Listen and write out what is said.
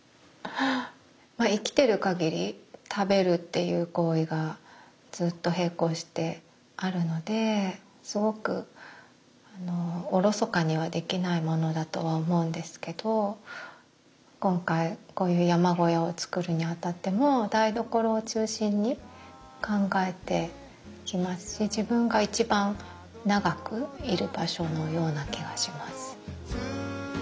生きてるかぎり食べるっていう行為がずっと並行してあるのですごくおろそかにはできないものだとは思うんですけど今回こういう山小屋を作るにあたっても台所を中心に考えていますし自分が一番長くいる場所のような気がします。